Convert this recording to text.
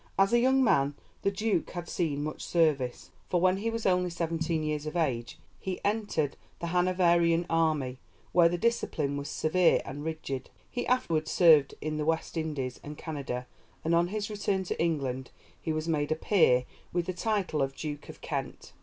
As a young man the Duke had seen much service, for when he was only seventeen years of age he entered the Hanoverian army, where the discipline was severe and rigid. He afterward served in the West Indies and Canada, and on his return to England he was made a peer with the title of Duke of Kent.